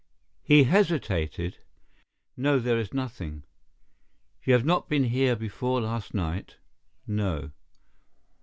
He hesitated. "No, there is nothing." "You have not been here before last night?" "No.